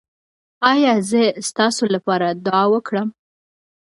ایا زه ستاسو لپاره دعا وکړم؟